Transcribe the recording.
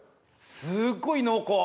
すっごい濃厚！